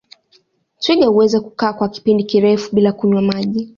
Twiga huweza kukaa kwa kipindi kirefu bila kunywa maji